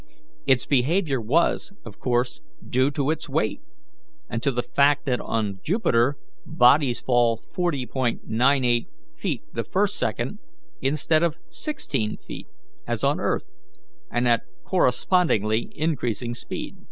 Its behaviour was, of course, due to its weight, and to the fact that on Jupiter bodies fall 40.98 feet the first second, instead of sixteen feet, as on earth, and at correspondingly increasing speed.